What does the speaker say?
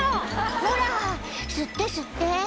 「ほら吸って吸って」